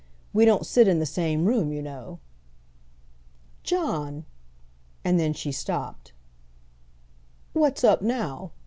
We don't sit in the same room, you know." "John!" and then she stopped. "What's up now?"